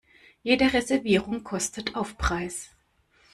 Jede Reservierung kostet Aufpreis.